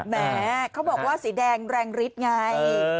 แหมเขาบอกว่าสีแดงแรงฤทธิ์ไง